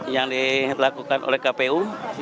yang dilakukan oleh kpu